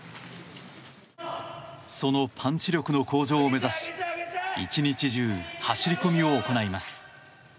そのパンチ力の向上を目指し１日中、走り込みを行います。